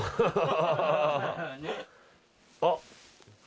あっ。